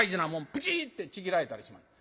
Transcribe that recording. ブチってちぎられたりしまんねん。